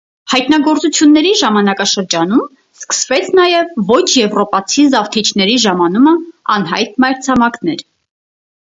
Հայտնագործությունների ժամանակաշրջանում սկսվեց նաև ոչ եվրոպացի զավթիչների ժամանումը անհայտ մայրցամաքներ։